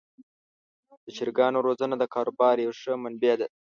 د چرګانو روزنه د کاروبار یوه ښه منبع ده.